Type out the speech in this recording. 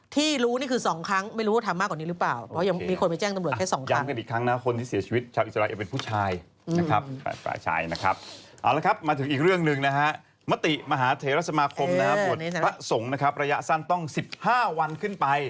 ที่รู้นี่คือสองครั้งไม่รู้ว่าทำมากกว่านี้หรือเปล่า